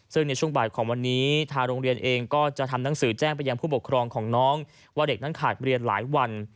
ซึ่งในช่วงบ่ายของวันนี้ทางโรงเรียนเองก็จะทำหนังสือแจ้งไปยังผู้ปกครองของน้องว่าเด็กนั้นขาดเรียนหลายวัน